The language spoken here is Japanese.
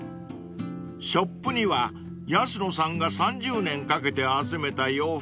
［ショップには安野さんが３０年かけて集めた洋服